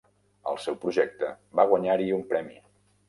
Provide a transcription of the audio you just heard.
El seu projecte va guanyar-hi un premi.